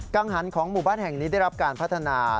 ังหันของหมู่บ้านแห่งนี้ได้รับการพัฒนา